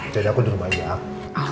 jadi aku di rumah aja